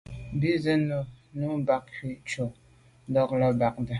Bə̌k rə̌ zə̂nù nə́ jú’ mbā bɑ̀ cú cɛ̌d ntɔ́k lá bɑdə̂.